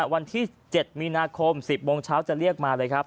วันที่๗มีนาคม๑๐โมงเช้าจะเรียกมาเลยครับ